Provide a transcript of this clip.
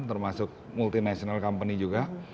termasuk multinational company juga